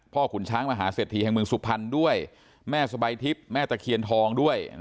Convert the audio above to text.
ขุนช้างมหาเศรษฐีแห่งเมืองสุพรรณด้วยแม่สบายทิพย์แม่ตะเคียนทองด้วย